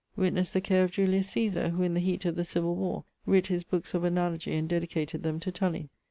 Witnesse the care of Julius Caesar, who in the heate of the civill warre writ his bookes of analogie and dedicated them to Tully.